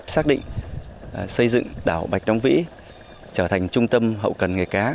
xác định xây dựng đảo bạch long vĩ trở thành trung tâm hậu cần nghề cá